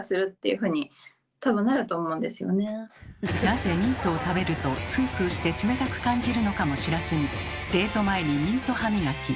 なぜミントを食べるとスースーして冷たく感じるのかも知らずにデート前にミント歯磨き。